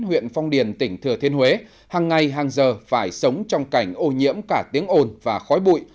huyện phong điền tỉnh thừa thiên huế hàng ngày hàng giờ phải sống trong cảnh ô nhiễm cả tiếng ồn và khói bụi